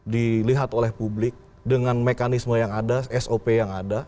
dilihat oleh publik dengan mekanisme yang ada sop yang ada